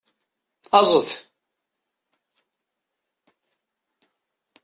Aẓet!